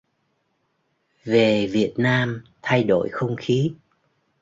Về Việt Nam thay đổi không khí